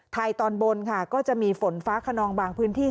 ตอนบนค่ะก็จะมีฝนฟ้าขนองบางพื้นที่